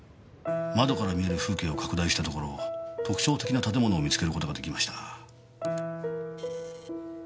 窓から見える風景を拡大したところ特徴的な建物を見つける事ができました。